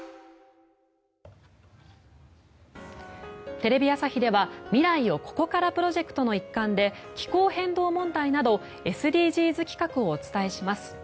テレビ朝日では未来をここからプロジェクトの一環で気候変動問題などＳＤＧｓ企画をお伝えします。